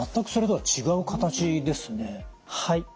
はい。